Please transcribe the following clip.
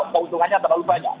keuntungannya terlalu banyak